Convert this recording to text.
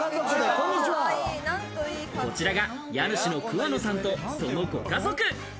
こちらが家主の桑野さんとそのご家族。